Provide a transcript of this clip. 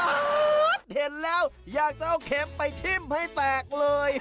เห็นแล้วอยากจะเอาเข็มไปทิ้มให้แตกเลย